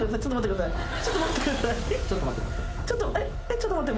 ちょっと待って。